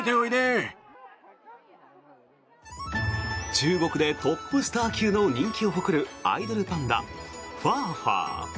中国でトップスター級の人気を誇るアイドルパンダ、ファーファー。